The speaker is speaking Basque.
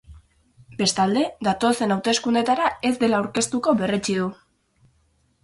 Bestalde, datozen hauteskundeetara ez dela aurkeztuko berretsi du.